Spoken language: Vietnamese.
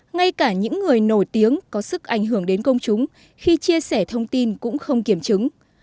ngay cả những người nổi tiếng có sức ảnh hưởng đến công chúng khi chia sẻ thông tin cũng không kiểm chứng